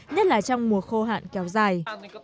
nhất là trong mùa khô hạn kéo dài